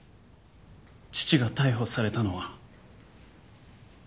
父が逮捕されたのは。